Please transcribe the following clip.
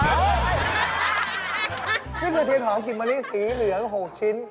นี่คือเทียนของกินมานี้สีเหลือง๖ชิ้น